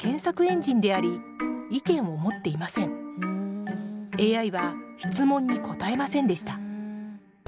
するとＡＩは質問に答えませんでした。